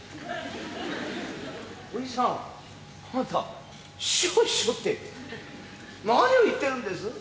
おじさんあんた「師匠師匠」って何を言ってるんです。